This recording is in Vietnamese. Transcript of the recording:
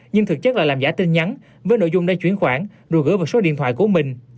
nhưng thực chất là làm giả tin nhắn với nội dung đã chuyển khoản rồi gửi vào số điện thoại của mình